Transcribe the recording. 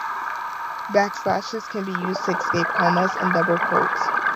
Backslashes can be used to escape commas and double-quotes.